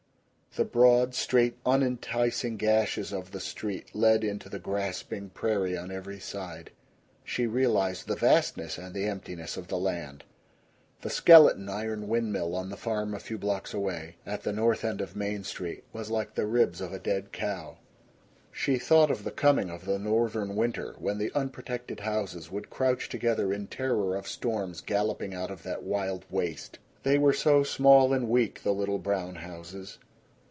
The broad, straight, unenticing gashes of the streets let in the grasping prairie on every side. She realized the vastness and the emptiness of the land. The skeleton iron windmill on the farm a few blocks away, at the north end of Main Street, was like the ribs of a dead cow. She thought of the coming of the Northern winter, when the unprotected houses would crouch together in terror of storms galloping out of that wild waste. They were so small and weak, the little brown houses.